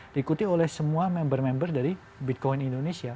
diikuti oleh semua member member dari bitcoin indonesia